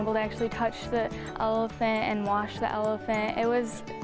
mampu menghubungi elefant dan menghubungi elefant